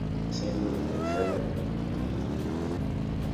The side wings are framed with wood.